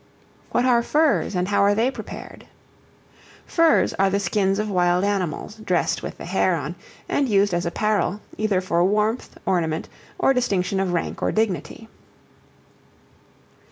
What are Furs, and how are they prepared? Furs are the skins of wild animals, dressed with the hair on, and used as apparel, either for warmth, ornament, or distinction of rank or dignity.